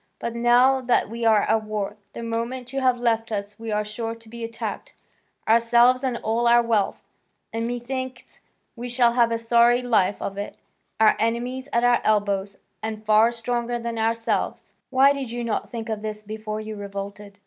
But now that we are at war, the moment you have left us we are sure to be attacked, ourselves and all our wealth, and methinks we shall have a sorry life of it, our enemies at our elbow and far stronger than ourselves. I seem to hear some one say, why did you not think of this before you revolted?